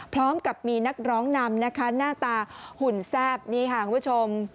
พร้อมกับมีนักร้องนำนะคะหน้าตาหุ่นแซ่บนี่ค่ะคุณผู้ชม